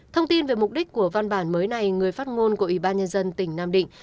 thông tin về mục đích của văn bản mới này người phát ngôn của ủy ban nhân dân tỉnh nam định